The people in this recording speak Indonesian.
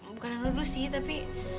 bukan anudu sih tapi